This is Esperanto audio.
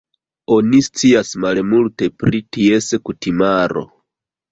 Oni scias malmulte pri ties kutimaro.